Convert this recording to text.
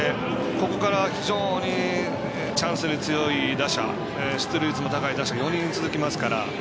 ここから非常にチャンスに強い打者出塁率の高い打者が４人続きますから。